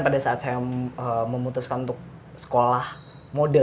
pada saat saya memutuskan untuk sekolah mode